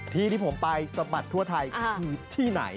ที่ที่ผมไปสะบัดทั่วไทยคือที่ไหน